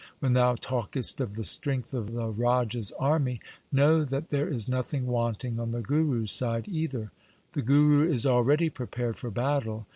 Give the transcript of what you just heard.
When thou talkest of the strength of the raja's army, know that there is nothing wanting on the Guru's side either. The Guru is already prepared for battle.